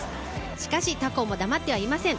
しかし、他校も黙ってはいません。